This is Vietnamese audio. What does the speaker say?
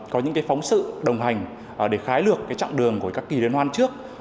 có những phóng sự đồng hành để khái lược trạng đường của các kỳ linh hoan trước